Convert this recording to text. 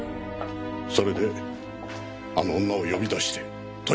それであの女を呼び出して問い詰めました。